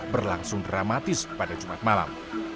berlangsung dramatis pada jumat malam